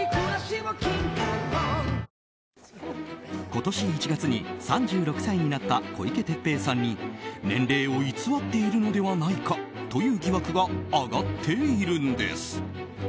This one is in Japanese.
今年１月に３６歳になった小池徹平さんに年齢を偽っているのではないかという疑惑が上がっているんです。